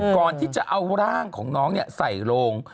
ก่อนที่จะเอาร่างของน้องใส่โรง